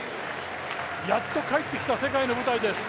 やっと帰ってきた世界の舞台です。